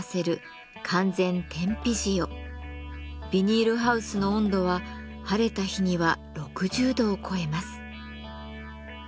ビニールハウスの温度は晴れた日には６０度を超えます。